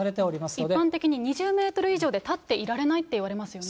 一般的に２０メートル以上で立っていられないって言われますよね。